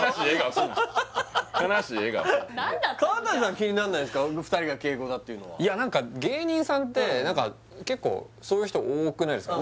すな悲しい笑顔２人が敬語だっていうのはいや何か芸人さんって結構そういう人多くないですか？